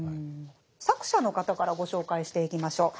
作者の方からご紹介していきましょう。